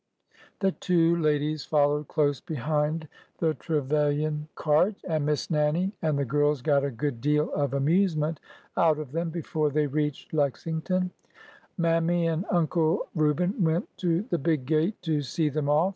The two ladies followed close behind the Trevilian Leaving the old home *^'^' i^.. ORDER NO. 11 295 cart, and Miss Nannie and the girls got a good deal of amusement out of them before they reached Lexington. Mammy and Uncle Reuben went to the " big gate '' to see them off.